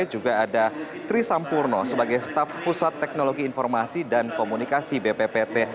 juga ada trisampurno sebagai staff pusat teknologi informasi dan komunikasi bppt